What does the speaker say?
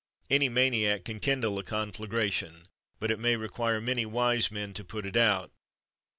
Any maniac can kindle a conflagration, but it may require many wise men to put it out.